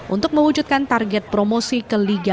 untuk mewujudkan target promosi ke liga satu